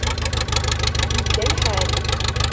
Yedda lḥal.